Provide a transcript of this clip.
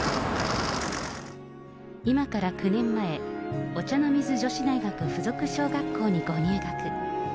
今から９年前、お茶の水女子大学附属小学校にご入学。